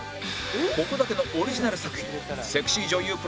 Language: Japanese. ここだけのオリジナル作品セクシー女優